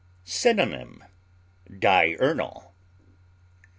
Synonym: diurnal.